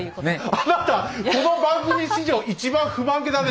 あなたこの番組史上一番不満げだね